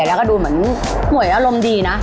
แล้วก็ดูเหมือนหวยอารมณ์ดีนะ